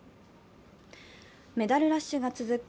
メダルラッシュが続く